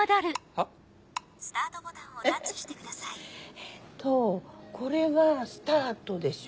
えっとこれがスタートでしょ？